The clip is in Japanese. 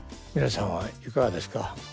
皆さんはいかがですか？